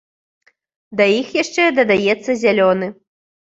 Да іх яшчэ дадаецца зялёны.